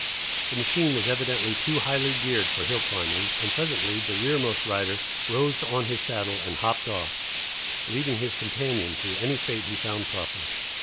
The machine was evidently too highly geared for hill climbing, and presently the rearmost rider rose on his saddle and hopped off, leaving his companion to any fate he found proper.